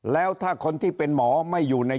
แล้วถ้าคนที่เป็นหมอไม่อยู่ใน